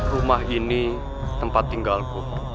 rumah ini tempat tinggalku